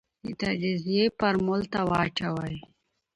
د تجزیې فورمول ته واچوې ،